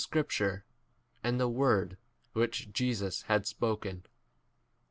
scripture and the word which Jesus had spoken.